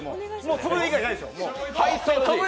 飛ぶ以外ないでしょ？